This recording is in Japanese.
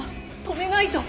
止めないと！